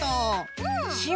うん！